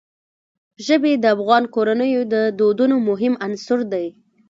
ژبې د افغان کورنیو د دودونو مهم عنصر دی.